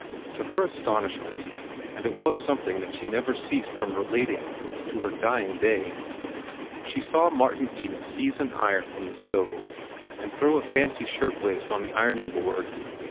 To her astonishment (and it was something that she never ceased from relating to her dying day), she saw Martin Eden seize an iron from the stove and throw a fancy shirt waist on the ironing board.